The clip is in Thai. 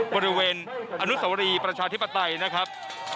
บริเวณอนุสวรีประชาธิปไตยนะครับ